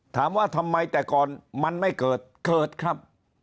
ถามว่าทำไมแต่ก่อนมันไม่เกิดเกิดครับ